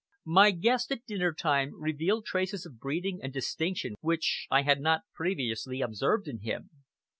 My guest at dinner time revealed traces of breeding and distinction which I had not previously observed in him.